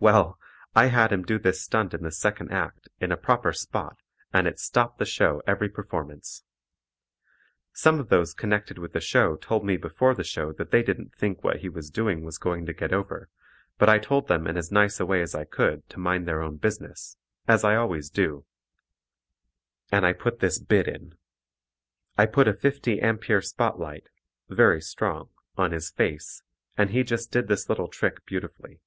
Well, I had him do this stunt in the second act, in a proper spot, and it stopped the show every performance. Some of those connected with the show told me before the show that they didn't think what he was doing was going to get over, but I told them in as nice a way as I could to mind their own business, as I always do, and I put this "bit" in. I put a 50 ampere spotlight (very strong) on his face, and he did just this little trick beautifully.